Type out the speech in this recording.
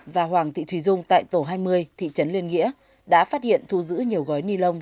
và hoàng thị thùy dung tại tổ hai mươi thị trấn liên nghĩa đã phát hiện thu giữ nhiều gói ni lông